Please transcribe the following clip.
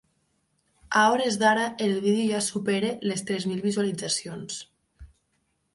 A hores d’ara, el vídeo ja supera les tres mil visualitzacions.